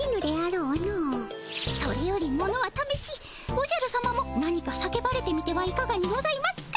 それよりものはためしおじゃるさまも何か叫ばれてみてはいかがにございますか？